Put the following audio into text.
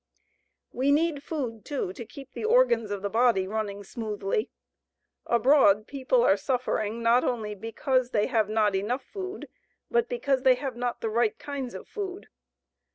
We need food, too, to keep the organs of the body running smoothly. Abroad, people are suffering not only because they have not enough food, but because they have not the right kinds of food.